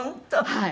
はい。